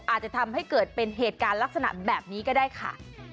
อาจจะทำให้เกิดเป็นเหตุการณ์ลักษณะแบบนี้ก็ได้ค่ะ